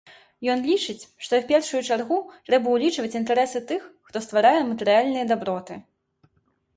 Ён лічыць, што ў першую чаргу трэба ўлічваць інтарэсы тых, хто стварае матэрыяльныя даброты.